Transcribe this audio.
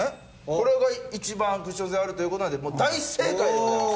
これが一番クッション性あるという事なんで大正解でございます。